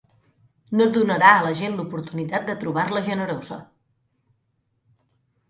No donarà a la gent l'oportunitat de trobar-la generosa.